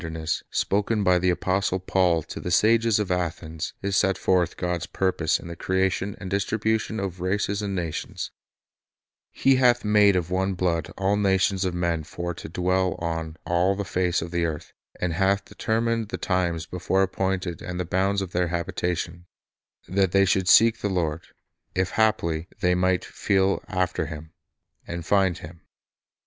4 The Bible as an Educator Distribution of Races National Prosperity spoken by the apostle Paul to the sages of Athens is set forth God's purpose in the creation and distribution of races and nations: He "hath made of one blood all nations of men for to dwell on all the face of the earth, and hath determined the times before appointed and the bounds of their habitation; that they should seel , the Lord, if haply they might feel after Him, and find Him."